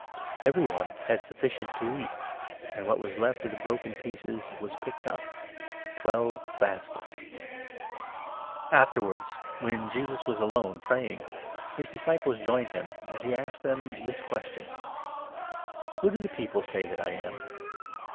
Every one had sufficient to eat, and 17 what was left of the broken pieces was picked up — twelve baskets. 126 LUKE, 9. Peter's Afterwards, when Jesus was alone, praying, Confession his disciples joined him, and he asked them this of question —" Who do the people say that I am